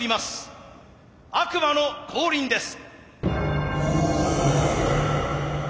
悪魔の降臨です。